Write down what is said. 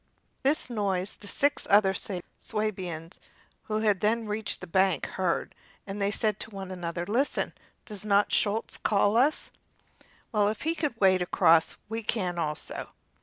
This noise the six other Swabians, who then reached the bank, heard, and they said to one another: "Listen! does not Schulz call us? Well, if he could wade across we can also."